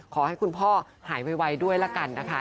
ขอให้คุณพ่อหายไวด้วยละกันนะคะ